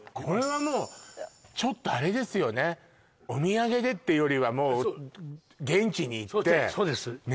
これはもうちょっとあれですよねおみやげでっていうよりはもう現地に行ってそうです